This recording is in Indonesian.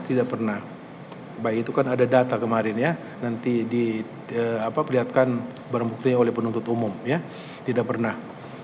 tidak pernah baik itu kan ada data kemarin ya nanti di apa perlihatkan barang bukti oleh penuntut umum ya tidak pernah